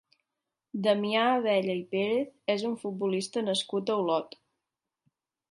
Damià Abella i Pérez és un futbolista nascut a Olot.